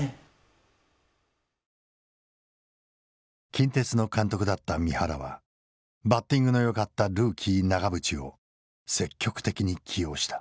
近鉄の監督だった三原はバッティングのよかったルーキー永淵を積極的に起用した。